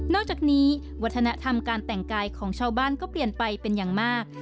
อกจากนี้วัฒนธรรมการแต่งกายของชาวบ้านก็เปลี่ยนไปเป็นอย่างมาก